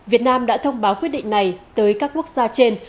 việt nam đã thông báo quyết định này tới các quốc gia trên